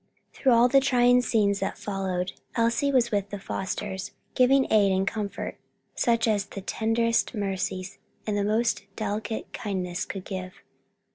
Through all the trying scenes that followed, Elsie was with the Fosters, giving aid and comfort such as the tenderest sympathy and most delicate kindness could give.